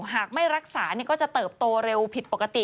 หากไม่รักษาก็จะเติบโตเร็วผิดปกติ